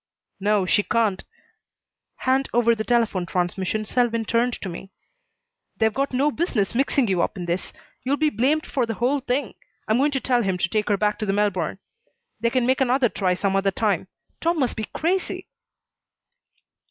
"No, she can't!" Hand over the telephone transmission, Selwyn turned to me. "They've got no business mixing you up in this. You'll be blamed for the whole thing. I'm going to tell him to take her back to the Melbourne. They can make another try some other time. Tom must be crazy!"